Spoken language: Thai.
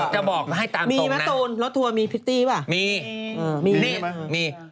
ช่างใหม่หลังกรุงเทศใช่ไหมคะ